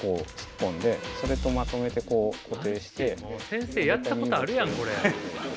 先生やったことあるやんこれ。